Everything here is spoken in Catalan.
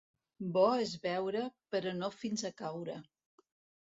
Bo és beure, però no fins a caure.